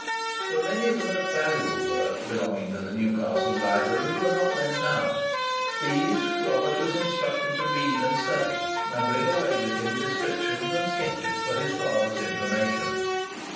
But many of the most valuable works belonging to the Newcastle Library were not lent out; these Robert was instructed to read and study, and bring away with him descriptions and sketches for his father's information.